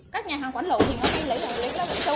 các nhà hàng quán lẩu thì nó hay lấy bắp thịt trâu này